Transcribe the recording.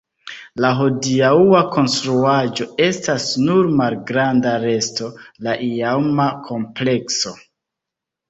La hodiaŭa konstruaĵo estas nur malgranda resto la iama komplekso.